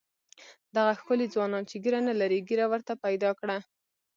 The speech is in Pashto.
دغه ښکلي ځوانان چې ږیره نه لري ږیره ورته پیدا کړه.